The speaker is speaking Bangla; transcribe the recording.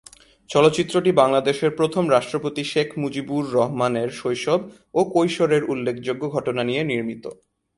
চলচ্চিত্রটি বাংলাদেশের প্রথম রাষ্ট্রপতি শেখ মুজিবুর রহমানের শৈশব ও কৈশোরের উল্লেখযোগ্য ঘটনা নিয়ে নির্মিত।